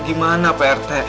gimana pak rete